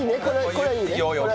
これはいいね？